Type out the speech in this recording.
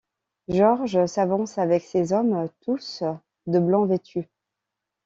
Georges s’avance avec ses hommes, tous de blanc vêtus.